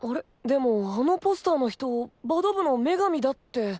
でもあのポスターの人バド部の女神だって。